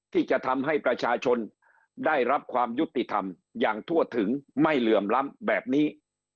ที่จะทำให้ประชาชนได้รับความยุติธรรมอย่างทั่วถึงไม่เหลื่อมล้ำแบบนี้